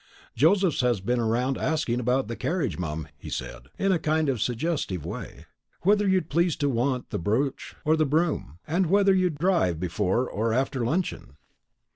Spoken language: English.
"Josephs has just been round asking about the carriage, mum," he said, in a kind of suggestive way; "whether you'd please to want the b'rouche or the broom, and whether you'd drive before or after luncheon."